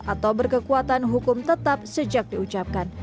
atau berkekuatan hukum tetap sejak diucapkan